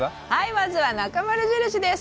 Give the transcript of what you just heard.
まずは、なかまる印です。